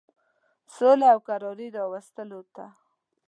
سولي او کراري راوستلو ته.